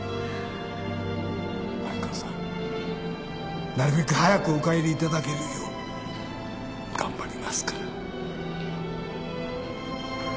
明子さん。なるべく早くお帰りいただけるよう頑張りますから。